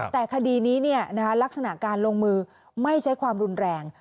แต่คดีนี้ลักษณะการลงมือไม่ใช้ความรุนแรง